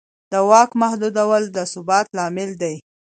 د واک محدودول د ثبات لامل دی